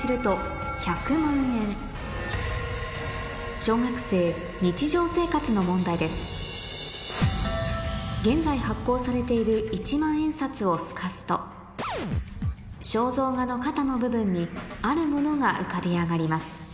小学生日常生活の問題です現在発行されている１万円札を透かすと肖像画の肩の部分にあるものが浮かび上がります